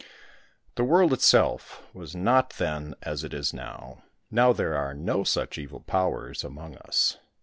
The world itself was not then as it is now : now there are no such Evil Powers among us.